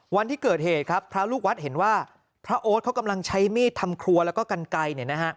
วันที่เกิดเหตุครับพระลูกวัดเห็นว่าพระโอ๊ตเขากำลังใช้มีดทำครัวแล้วก็กันไกลเนี่ยนะฮะ